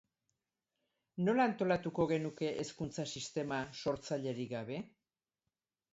Nola antolatuko genuke hezkuntza sistema sortzailerik gabe?